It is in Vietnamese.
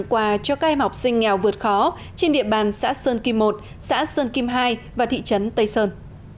quà cho các em học sinh nghèo vượt khó trên địa bàn xã sơn kim một xã sơn kim hai và thị trấn tây sơn